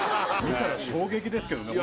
見たら衝撃ですけどね